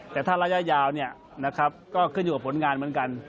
แต่ถ้าระยะยาวก็ขึ้นอยู่กับผลงานเหมือนกัน